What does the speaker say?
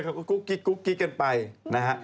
เออเขาก็กุ๊กกิ๊กกุ๊กกิ๊กกันไปนะฮะ